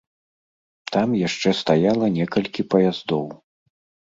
Там яшчэ стаяла некалькі паяздоў.